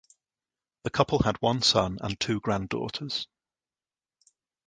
The couple had one son and two granddaughters.